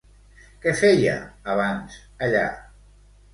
Què feia abans allà?